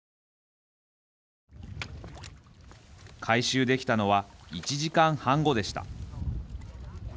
回収できたのは１時間半後でした。